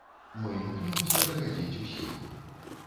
Мы імкнёмся дагадзіць усім.